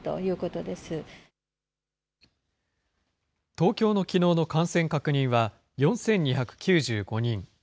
東京のきのうの感染確認は４２９５人。